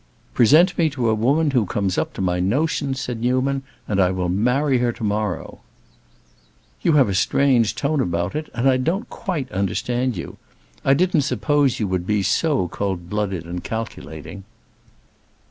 "Present me to a woman who comes up to my notions," said Newman, "and I will marry her tomorrow." "You have a strange tone about it, and I don't quite understand you. I didn't suppose you would be so coldblooded and calculating."